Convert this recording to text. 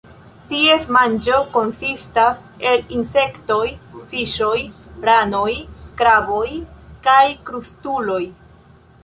Ties manĝo konsistas el insektoj, fiŝoj, ranoj, kraboj kaj krustuloj.